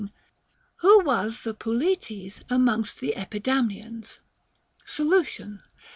Who was the πωλψης amongst the Epi damnians. Solution.